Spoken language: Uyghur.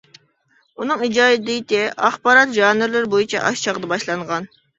ئۇنىڭ ئىجادىيىتى ئاخبارات ژانىرلىرى بويىچە ئاشۇ چاغدا باشلانغان.